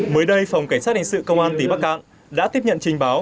mới đây phòng cảnh sát hình sự công an tỉnh bắc cạn đã tiếp nhận trình báo